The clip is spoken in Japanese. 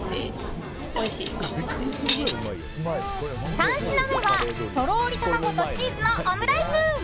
３品目はとろり卵とチーズのオムライス。